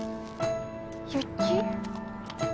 雪？